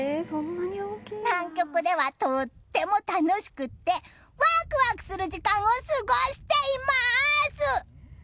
南極ではとても楽しくてワクワクする時間を過ごしています！